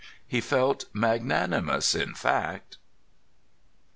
He felt magnanimous, in fact.